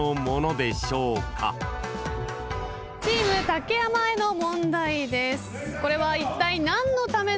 チーム竹山への問題です。